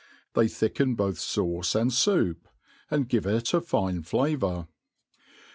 They thicken both fauce and foup, and give it a fine flavour.